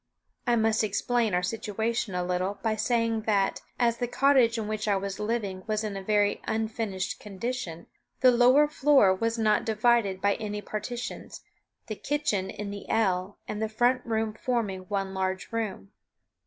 I must explain our situation a little by saying that, as the cottage in which I was living was in a very unfinished condition, the lower floor was not divided by any partitions, the kitchen in the L and the front room forming one large room.